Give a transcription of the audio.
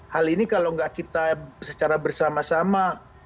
hal ini kalau nggak kita secara bersama sama